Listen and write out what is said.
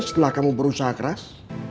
setelah kamu berusaha keras